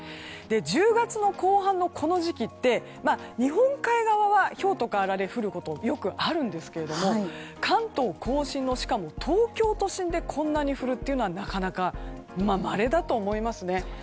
１０月の後半のこの時期って日本海側はひょうとかあられが降ることはあるんですが関東・甲信の、しかも東京都心でこんなに降るのはなかなか、まれだと思いますね。